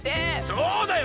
そうだよ！